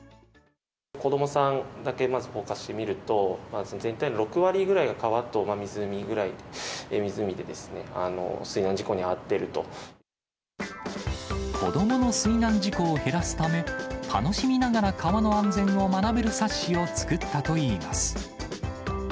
子どもさんだけまずフォーカスして見ると、全体の６割ぐらいが川と湖ぐらい、湖でですね、水難事故に遭ってい子どもの水難事故を減らすため、楽しみながら川の安全を学べる冊子を作ったといいます。